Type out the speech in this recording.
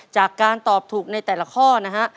จากการตอบถูกในแต่ละข้อนะฮะ